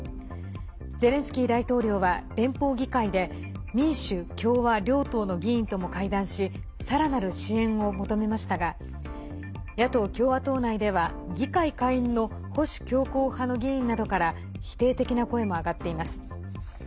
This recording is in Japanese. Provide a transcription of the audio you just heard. ゼレンスキー大統領は連邦議会で民主・共和両党の議員とも会談しさらなる支援を求めましたが野党・共和党内では議会下院の保守強硬派の議員などから否定的な声も上がっています。